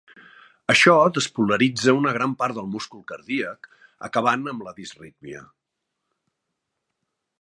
Això despolaritza una gran part del múscul cardíac, acabant amb la disrítmia.